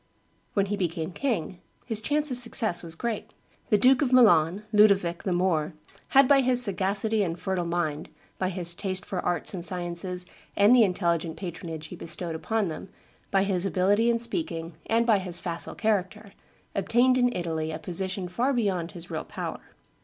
When he became king, his chance of success was great. The Duke of Milan, Ludovic, the Moor, had by his sagacity and fertile mind, by his taste for arts and sciences and the intelligent patronage he bestowed upon them, by his ability in speaking, and by his facile character, obtained in Italy a position far beyond his real power.